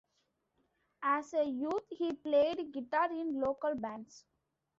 As a youth, he played guitar in local bands.